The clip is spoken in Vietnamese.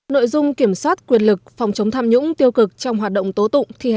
nội dung kiểm soát quyền lực phòng chống tham nhũng tiêu cực trong hoạt động tố tụng thi hành